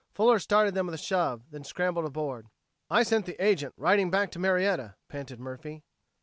Fuller started them with a shove, then scrambled aboard. "I sent the agent riding back to Marietta," panted Murphy.